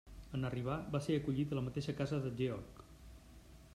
En arribar, va ser acollit a la mateixa casa de Georg.